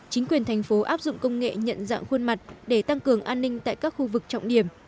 chính quyền thành phố áp dụng công nghệ nhận dạng khuôn mặt để tăng cường an ninh tại các khu vực trọng điểm